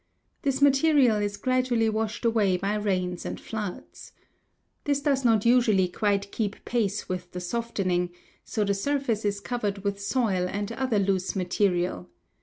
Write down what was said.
This material is gradually washed away by rains and floods. This does not usually quite keep pace with the softening; so the surface is covered with soil and other loose material.